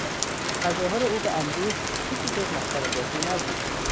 تظاهر او به اندوه، چیزی جز مسخرهبازی نبود.